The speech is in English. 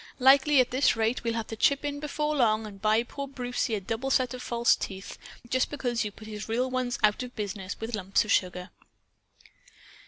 Likely, at this rate, we'll have to chip in before long and buy poor Brucie a double set of false teeth. Just because you've put his real ones out of business with lumps of sugar!"